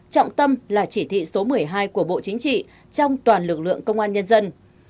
trọng tâm là chỉ thị số một mươi hai của bộ chính trị trong toàn lực lượng công an nhân dân